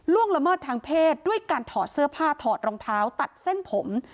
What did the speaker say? ละเมิดทางเพศด้วยการถอดเสื้อผ้าถอดรองเท้าตัดเส้นผม